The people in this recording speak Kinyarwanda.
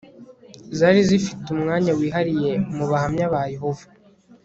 zari zifite umwanya wihariye mu bahamya ba yehova